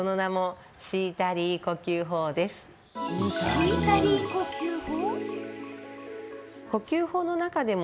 シータリー呼吸法？